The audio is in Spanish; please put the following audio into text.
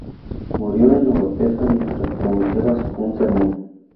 Murió en Oropesa mientras pronunciaba un sermón.